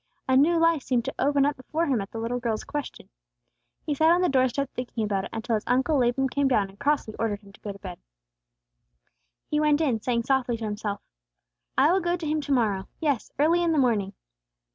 A new life seemed to open up before him at the little girl's question. He sat on the doorstep thinking about it until his Uncle Laban came down and crossly ordered him to go to bed. He went in, saying softly to himself, "I will go to him to morrow; yes, early in the morning!"